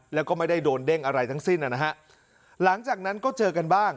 แล้วก็ไม่ได้โดนเด้งอะไรทั้งสิ้นนะฮะหลังจากนั้นก็เจอกันบ้าง